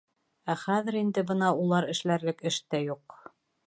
Ә хәҙер инде бына улар эшләрлек эш тә юҡ.